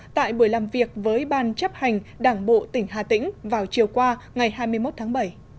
tại buổi làm việc với ban chấp hành đảng bộ tỉnh hà tĩnh vào chiều qua ngày hai mươi một tháng bảy